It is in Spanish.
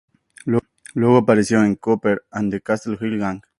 Luego apareció en "Cooper and the Castle Hill Gang".